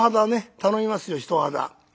頼みますよ人肌。